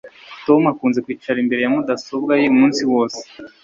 Tom akunze kwicara imbere ya mudasobwa ye umunsi wose